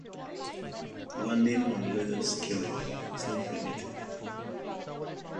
Landing on Little Skellig is not permitted.